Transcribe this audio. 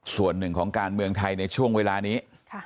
ส่วนหนึ่งของการเมืองไทยในช่วงเวลานี้